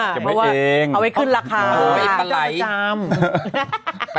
เขาเอาไว้เคลื่อนราคาเอิ้ยกระไหลใช้ประจำ